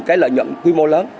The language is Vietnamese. cái lợi nhuận quy mô lớn